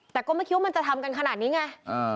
แต่ก็ไม่คิดว่ามันจะทำกันขนาดนี้ไง